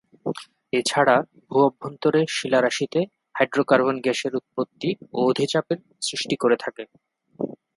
এছাড়া ভূ অভ্যন্তরে শিলারাশিতে হাইড্রোকার্বন গ্যাসের উৎপত্তি ও অধিচাপের সৃষ্টি করে থাকে।